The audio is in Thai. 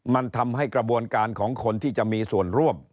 มันทำให้กระบวนการของคนที่จะมีส่วนร่วม